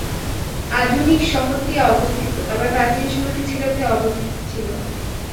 আধুনিক শহরটি এ অবস্থিত, তবে প্রাচীন শহরটি ছিল তে অবস্থিত ছিল।